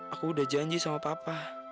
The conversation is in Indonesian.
aku udah janji sama papa